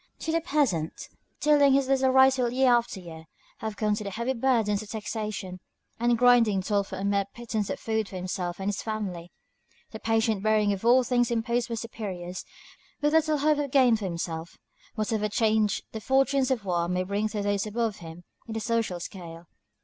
To the peasant, tilling his little rice field year after year, have come the heavy burdens of taxation; the grinding toil for a mere pittance of food for himself and his family; the patient bearing of all things imposed by his superiors, with little hope of gain for himself, whatever change the fortunes of war may bring to those above him in the social scale.